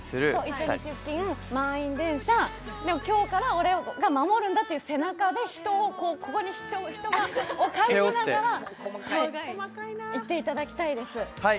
一緒に出勤する、満員電車、で、今日から俺が守るんだという人をここに背中で感じながらやっていただきたい。